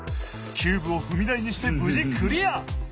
キューブを踏み台にして無事クリア！